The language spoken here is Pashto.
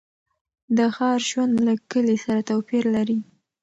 د ښار ژوند له کلي سره توپیر لري.